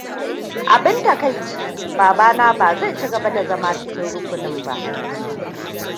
Abin takaici, babana ba zai ci gaba da zama cikin rukunin ba.